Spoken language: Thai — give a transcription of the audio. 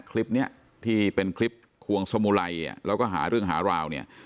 คลิปนี้ที่เป็นคลิปควงสมุไรแล้วก็หาเรื่องหาราวเนี่ย